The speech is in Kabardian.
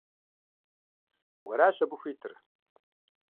Уэращ абы хуитыр.